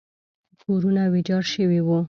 کورونه ویجاړ شوي وو.